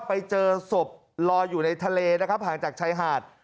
ไปเจอศพลอยอยู่ในทะเลนะครับห่างจากชายหาด